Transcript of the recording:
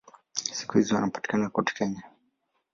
Siku hizi wanapatikana kote Kenya.